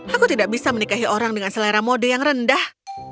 aku tidak bisa menikahi orang dengan selera mode yang rendah